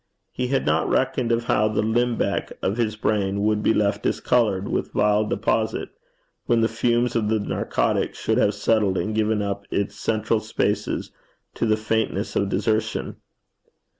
He had not reckoned of how the limbeck of his brain would be left discoloured with vile deposit, when the fumes of the narcotic should have settled and given up its central spaces to the faintness of desertion.